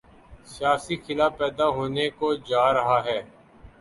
سیاسی خلا پیدا ہونے کو جارہا ہے۔